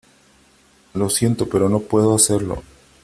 lo siento , pero no puedo hacerlo ,